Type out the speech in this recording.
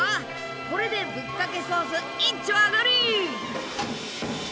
これでぶっかけソースいっちょ上がり！